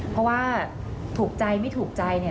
เพราะว่าถูกใจไม่ถูกใจ